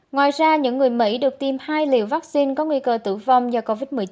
ngoài ra những người mỹ được tiêm hai liều vaccine có nguy cơ tử vong do covid một mươi chín